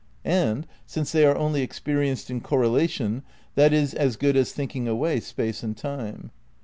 And, since they are only experienced in correlation, that is as good as thinking away Space and Time.